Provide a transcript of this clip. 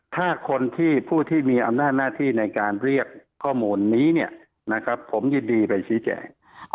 ถ้าคนที่ผู้ที่มีอำนาจหน้าที่ในการเรียกข้อมูลนี้เนี่ยนะครับผมยินดีไปชี้แจง